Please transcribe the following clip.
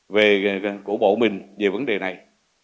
về của bộ mình về vấn đề này